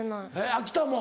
秋田も？